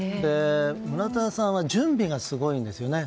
村田さんは準備がすごいんですよね。